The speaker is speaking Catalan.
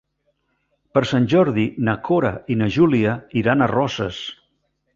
Per Sant Jordi na Cora i na Júlia iran a Roses.